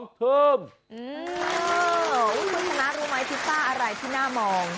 อื้อคุณพี่น้ารู้ไหมพิซซ่าอะไรที่หน้ามอง